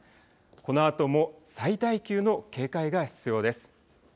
このあとも最大級の警戒が必要です。